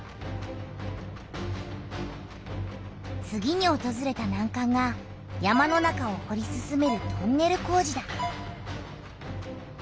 次におとずれたなんかんが山の中をほり進めるトンネル工事だ。